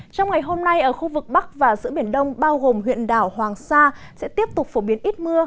trong ngày hôm nay ở khu vực bắc và giữa biển đông bao gồm huyện đảo hoàng sa sẽ tiếp tục phổ biến ít mưa